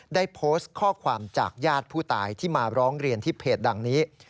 ได้โพสต์ข้อความจากญาติผู้ตายที่มาร้องเรียนที่เพจดังนี้